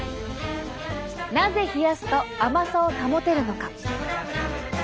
なぜ冷やすと甘さを保てるのか。